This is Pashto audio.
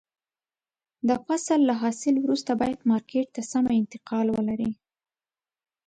د فصل له حاصل وروسته باید مارکېټ ته سمه انتقال ولري.